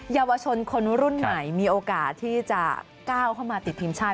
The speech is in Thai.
เยาวชนคนรุ่นใหม่มีโอกาสที่จะก้าวเข้ามาติดทีมชาติ